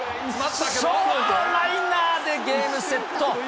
ショートライナーでゲームセット。